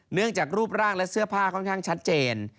เนื่องจากรูปร่างและเสื้อผ้าค่อนข้างชัดเจน